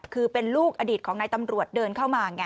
คือเป็นลูกอดีตของนายตำรวจเดินเข้ามาไง